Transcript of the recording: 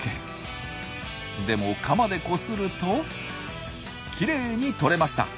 でもカマでこするときれいに取れました。